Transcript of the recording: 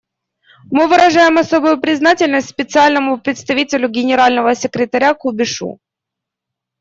Мы выражаем особую признательность Специальному представителю Генерального секретаря Кубишу.